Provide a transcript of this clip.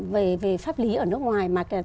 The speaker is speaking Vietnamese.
về pháp lý ở nước ngoài